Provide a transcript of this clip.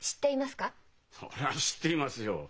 そりゃ知っていますよ。